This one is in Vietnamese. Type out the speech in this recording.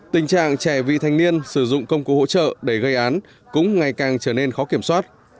tình trạng trẻ vị thanh niên sử dụng công cụ hỗ trợ để gây án cũng ngày càng trở nên khó kiểm soát